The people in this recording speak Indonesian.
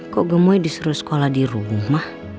kok gemui disuruh sekolah di rumah